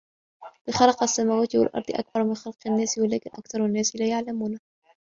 لَخَلقُ السَّماواتِ وَالأَرضِ أَكبَرُ مِن خَلقِ النّاسِ وَلكِنَّ أَكثَرَ النّاسِ لا يَعلَمونَ